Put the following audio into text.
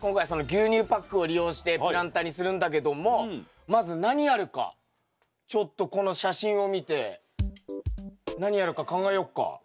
今回はその牛乳パックを利用してプランターにするんだけどもまず何やるかちょっとこの写真を見て何やるか考えよっか。